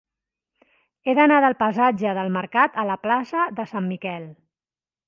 He d'anar del passatge del Mercat a la plaça de Sant Miquel.